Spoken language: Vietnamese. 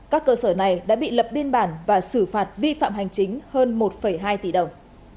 các cơ sở này đã bị lập biên bản và xử phạt vi phạm hành chính hơn một hai tỷ đồng